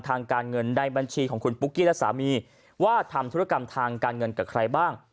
ทางการเงินในบัญชีของคุณปุ๊กกี้และสามีว่าทำธุรกรรมทางการเงินกับใครบ้าง